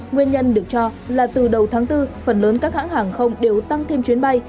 nguyên nhân được cho là từ đầu tháng bốn phần lớn các hãng hàng không đều tăng thêm chuyến bay